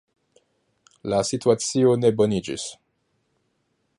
La situacio ne boniĝis.